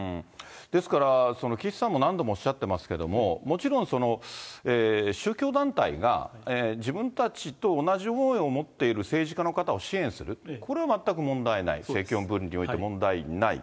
ですから、岸さんも何度もおっしゃってますけれども、もちろん、宗教団体が自分たちと同じを持っている政治家の方を支援する、これは全く問題ない、政教分離においても問題ない。